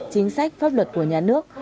chính sách pháp luật của nhà nước